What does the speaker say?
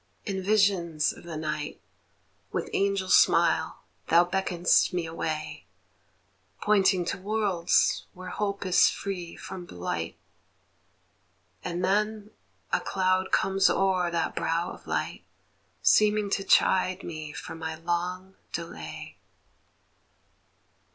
In visions of the night With angel smile thou beckon'st me away, Pointing to worlds where hope is free from blight; And then a cloud comes o'er that brow of light, Seeming to chide me for my long delay.